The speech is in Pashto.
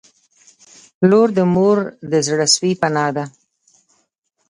• لور د مور د زړسوي پناه ده.